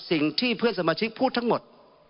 สิ่งที่เพื่อนสมาชิกพูดทั้งหมด